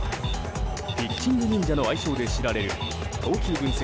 ピッチングニンジャの愛称で知られる投球分析